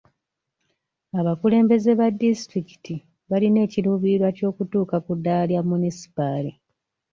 Abakulembeze ba disitulikiti balina ekiruubirirwa ky'okutuuka ku ddaala lya munisipaali.